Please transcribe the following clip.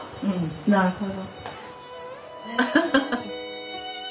なるほど。